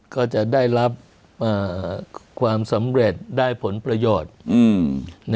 ก็จะได้รับความสำเร็จได้ผลประโยชน์